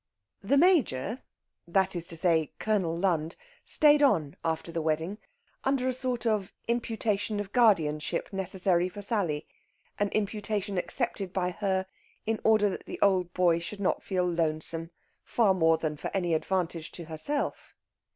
The Major that is to say, Colonel Lund stayed on after the wedding, under a sort of imputation of guardianship necessary for Sally an imputation accepted by her in order that the old boy should not feel lonesome, far more than for any advantage to herself.